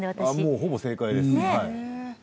ほぼ正解ですね。